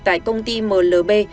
tại công ty mlb